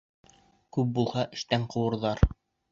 Күп булһа, эштән ҡыуырҙар.